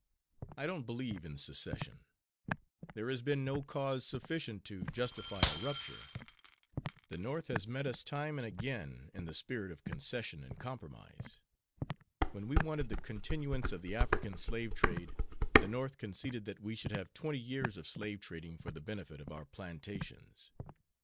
I don't believe in secession. There has been no cause sufficient to justify a rupture. The North has met us time and again in the spirit of concession and compromise. When we wanted the continuance of the African slave trade the North conceded that we should have twenty years of slave trading for the benefit of our plantations.